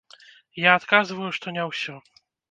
Я адказваю, што не ўсё!